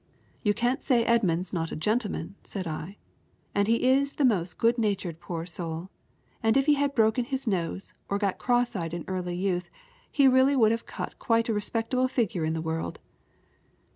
'You can't say Edmund's not a gentleman,' said I, 'and he is the most good natured poor soul; and if he had broken his nose, or got cross eyed in early youth, he really would have cut quite a respectable figure in the world.'